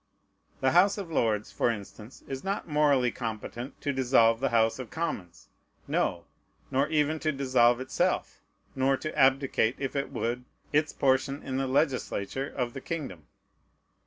The House of Lords, for instance, is not morally competent to dissolve the House of Commons, no, nor even to dissolve itself, nor to abdicate, if it would, its portion in the legislature of the kingdom.